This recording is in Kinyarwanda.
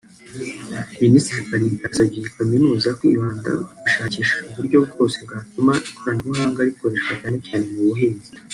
Minisitiri Malimba yasabye ii kaminuza kwibanda ku gushakisha uburyo bwose bwatuma ikoranabuhanga rikoreshwa cyane cyane mu buhinzi